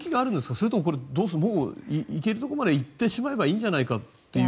それとも、行けるところまで行ってしまえばいいんじゃないかという。